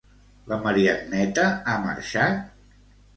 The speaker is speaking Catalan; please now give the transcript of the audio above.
La Mariagneta ha marxat?